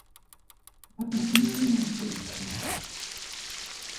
Manamñaya vueltamusaqchu.